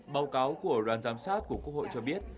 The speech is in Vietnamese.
báo cáo của đoàn giám sát của quốc hội cho biết